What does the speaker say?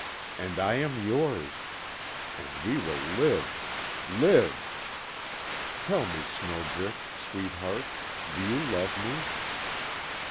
And I am yours. And we will live live! Tell me Snowdrift sweetheart do you love me?"